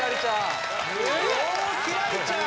おきらりちゃん・